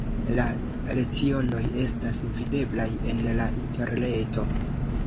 La lecionoj estas videblaj en la interreto.